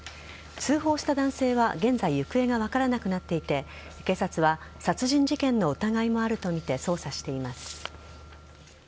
通報した男性は現在行方が分からなくなっていて警察は殺人事件の疑いもあるとみて捜査しています。